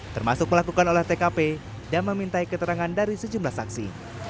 termasuk melakukan olah tkp dan memintai keterangan dari sejumlah saksi